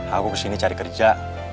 aku kesini cari kerja